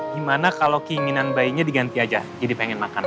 gimana kalau keinginan bayinya diganti aja jadi pengen makan